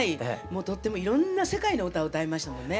もうとってもいろんな世界の歌を歌いましたもんね。